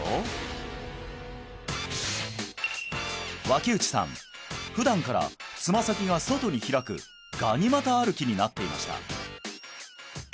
脇内さん普段からつま先が外に開くガニ股歩きになっていました